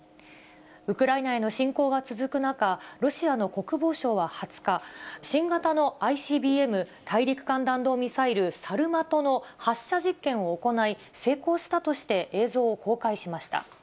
ウクライナへの侵攻が続く中、ロシアの国防省は２０日、新型のＩＣＢＭ・大陸間弾道ミサイル、サルマトの発射実験を行い、成功したとして映像を公開しました。